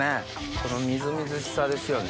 このみずみずしさですよね。